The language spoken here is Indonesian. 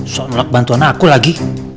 soal bantuan aku lagi